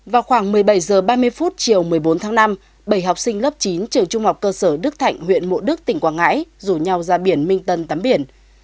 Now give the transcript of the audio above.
vào khoảng một mươi bảy h ba mươi chiều một mươi bốn tháng năm bảy học sinh lớp chín trường trung học cơ sở đức thạnh huyện mộ đức tỉnh quảng ngãi rủ nhau ra biển minh tân tắm biển